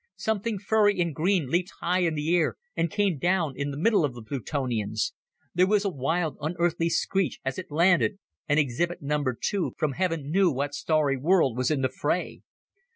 Something furry and green leaped high in the air and came down in the middle of the Plutonians. There was a wild, unearthly screech as it landed, and exhibit number two, from heaven knew what starry world, was in the fray.